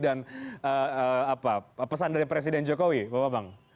dan pesan dari presiden jokowi bapak bang